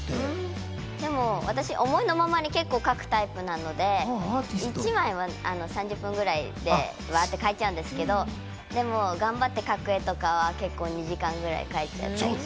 私、思いのままに結構描くタイプなので、１枚は３０分ぐらいで、わっと描いちゃうんですけど、でも頑張って描く絵とかは２時間ぐらいかけて描いちゃいます。